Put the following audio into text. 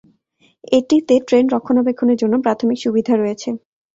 এটিতে ট্রেন রক্ষণাবেক্ষণের জন্য প্রাথমিক সুবিধা রয়েছে।